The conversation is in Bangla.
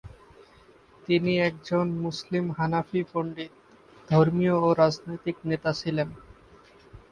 তিনি একজন মুসলিম হানাফি পণ্ডিত, ধর্মীয় ও রাজনৈতিক নেতা ছিলেন।